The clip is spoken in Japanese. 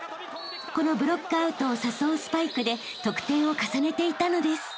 ［このブロックアウトを誘うスパイクで得点を重ねていたのです］